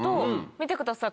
見てください